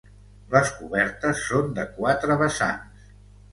Les cobertes són de quatre vessants.